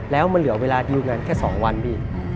แล้วมันเหลือเวลาดีลงานแค่๒วันพี่